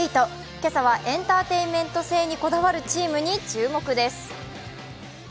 今朝はエンターテインメント性にこだわるチームに注目です。